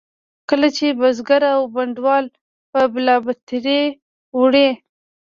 کله چې بزګر او بڼوال به بلابترې وړې.